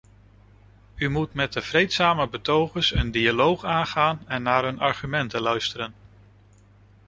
U moet met de vreedzame betogers een dialoog aangaan en naar hun argumenten luisteren.